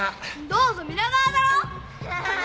「どうぞ皆川」だろ！